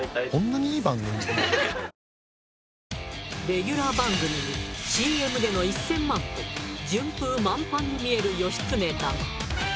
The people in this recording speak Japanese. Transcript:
レギュラー番組にＣＭでの１０００万と順風満帆に見える義経だが。